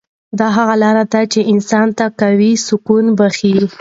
دا هغه لاره ده چې انسان ته واقعي سکون بښي.